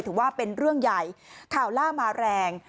ถือว่าเป็นเรื่องใหญ่ข่าวล่ามาแรง